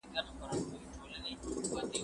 زه له سهاره درسونه لوستل کوم!